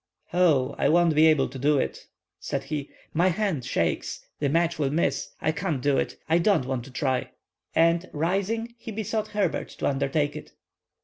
"Ho, I won't be able to do it," said he; "my hand shakes—the match will miss—I can't do it—I don't want to try!" And, rising, he besought Herbert to undertake it.